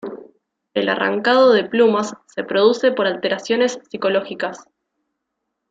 El arrancado de plumas se produce por alteraciones psicológicas.